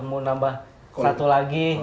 mau nambah satu lagi